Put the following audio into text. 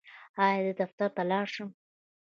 ایا زه دفتر ته لاړ شم؟